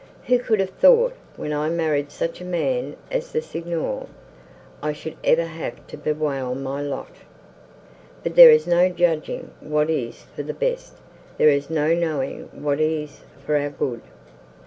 —who could have thought, when I married such a man as the Signor, I should ever have to bewail my lot? But there is no judging what is for the best—there is no knowing what is for our good!